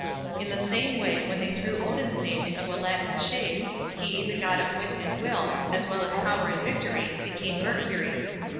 In the same way, when they threw Odin's name into a Latin shape, he, the god of wit and will, as well as power and victory, became Mercury.